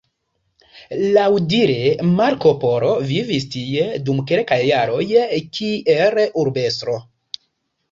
Laŭdire Marko Polo vivis tie dum kelkaj jaroj kiel urbestro.